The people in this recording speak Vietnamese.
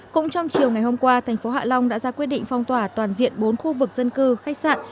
cũng trong chiều ngày hôm qua thành phố hạ long đã ra quyết định phong tỏa toàn diện bốn khu vực dân cư khách sạn